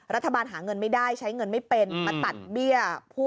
รัฐบาลหาเงินไม่ได้ใช้เงินไม่เป็นมาตัดเบี้ยผู้